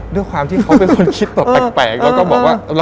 ด้วยความที่เขาเป็นคนคิดแบบแปลกแล้วก็บอกว่า